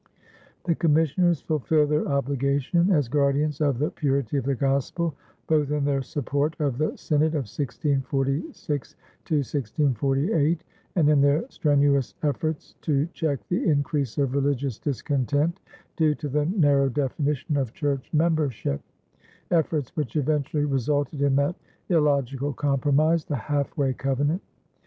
The commissioners fulfilled their obligation as guardians of the purity of the Gospel, both in their support of the synod of 1646 1648 and in their strenuous efforts to check the increase of religious discontent due to the narrow definition of church membership efforts which eventually resulted in that "illogical compromise," the Half Way Covenant.